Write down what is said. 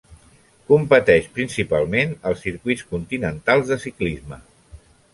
Competeix principalment als circuits continentals de ciclisme.